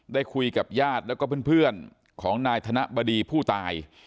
ได้คุยกับญาติแล้วก็เพื่อนของนายธนบดีผู้ตาย